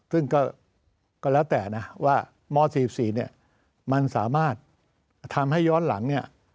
ซึ่งก็แล้วแต่ว่ามันม๔๔มันสามารถทำให้ย้อนหลัง